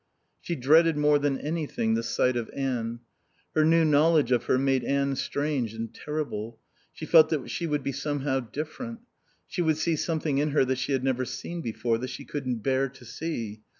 She dreaded more than anything the sight of Anne. Her new knowledge of her made Anne strange and terrible. She felt that she would be somehow different. She would see something in her that she had never seen before, that she couldn't bear to see.